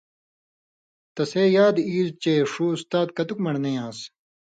تسے یادی ایل چےۡ ݜُو اُستا کتک من٘ڑنَیں آن٘س